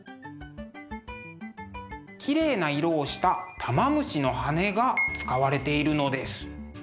きれいな色をした玉虫の羽が使われているのです。